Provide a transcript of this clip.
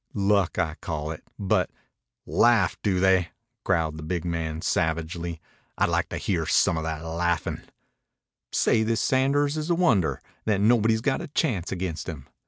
Luck, I call it, but " "Laugh, do they?" growled the big man savagely. "I'd like to hear some o' that laughin'." "Say this Sanders is a wonder; that nobody's got a chance against him.